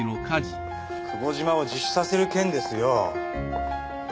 久保島を自首させる件ですよ。